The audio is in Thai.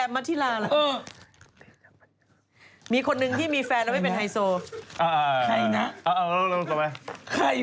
เอาขอไป